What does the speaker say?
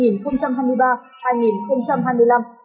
nhiệm kỳ hai nghìn hai mươi ba hai nghìn hai mươi năm